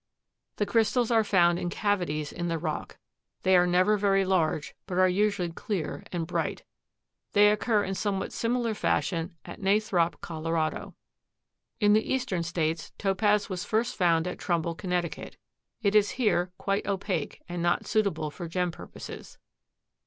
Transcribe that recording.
The crystals are found in cavities in the rock. They are never very large, but are usually clear and bright. They occur in somewhat similar fashion at Nathrop, Colorado. In the Eastern States Topaz was first found at Trumbull, Conn. It is here quite opaque and not suitable for gem purposes.